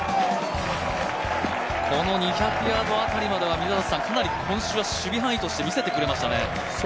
この２００ヤードあたりまではかなり今週は守備範囲として見せてくれましたね。